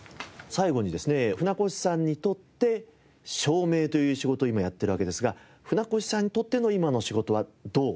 最後にですね舟越さんにとって照明という仕事を今やってるわけですが舟越さんにとっての今の仕事はどう？